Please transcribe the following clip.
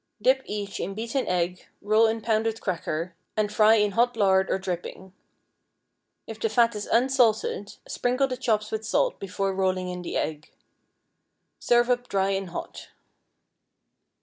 Dip each in beaten egg, roll in pounded cracker, and fry in hot lard or dripping. If the fat is unsalted, sprinkle the chops with salt before rolling in the egg. Serve up dry and hot.